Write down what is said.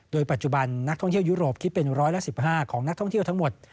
โดยปัจจุบันนักท่องเที่ยวยุโรปคิดเป็นร้อยละ๑๕ของนักท่องเที่ยวทั้งหมด